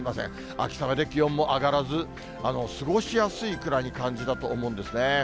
秋雨で気温も上がらず、過ごしやすいくらいに感じたと思うんですね。